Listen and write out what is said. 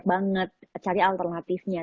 itu banyak banget cari alternatifnya